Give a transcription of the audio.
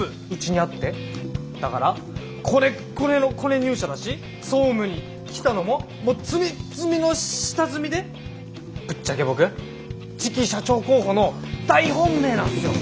だからコネッコネのコネ入社だし総務に来たのもツミッツミの下積みでぶっちゃけ僕次期社長候補の大本命なんすよ。